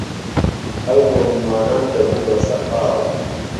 ئەو بۆ میوانان دهبوو به سهقاو